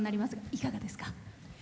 いかがですか？